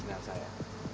gak usah ya